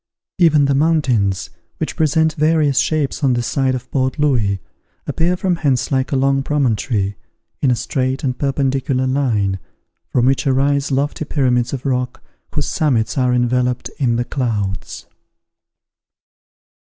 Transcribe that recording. Even the mountains, which present various shapes on the side of Port Louis, appear from hence like a long promontory, in a straight and perpendicular line, from which arise lofty pyramids of rock, whose summits are enveloped in the clouds.